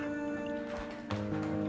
jadi galau terus